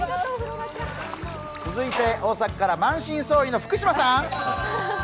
続いて大阪から、満身創痍の福島さん。